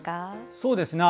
そうですね